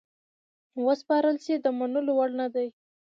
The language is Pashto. وسپارل سي د منلو وړ نه دي.